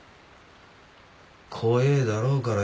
怖えだろうからよ